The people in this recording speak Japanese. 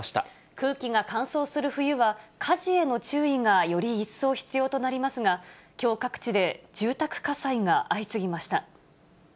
空気が乾燥する冬は、火事への注意がより一層必要となりますが、きょう各地で、住宅火災が相次ぎました。